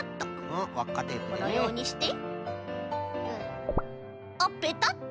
このようにしてあペタッと。